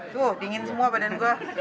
suhu dingin semua badan gue